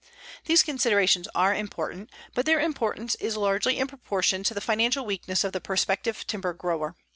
These considerations are important, but their importance is largely in proportion to the financial weakness of the prospective timber grower.